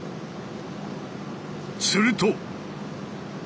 すると！